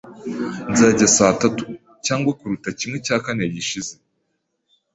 Nzajya saa tatu, cyangwa kuruta kimwe cya kane gishize.